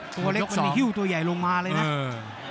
ประเด็กส์ตัวใหญ่ลงมาเลยนะเออ